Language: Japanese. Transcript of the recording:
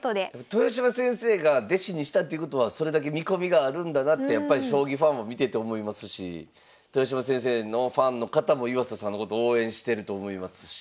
豊島先生が弟子にしたってことはそれだけ見込みがあるんだなって将棋ファンも見てて思いますし豊島先生のファンの方も岩佐さんのこと応援してると思いますし。